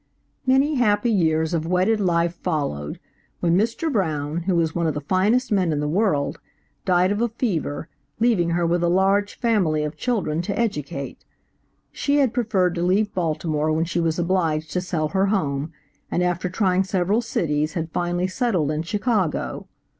Many happy years of wedded life followed, when Mr. Brown, who was one of the finest men in the world, died of a fever, leaving her with a large family of children to educate. She had preferred to leave Baltimore when she was obliged to sell her home, and after trying several cities had finally settled in Chicago.